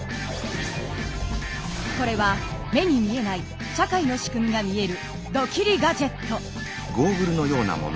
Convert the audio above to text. これは目に見えない社会の仕組みが見えるドキリ・ガジェット。